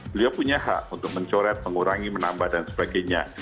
beliau punya hak untuk mencoret mengurangi menambah dan sebagainya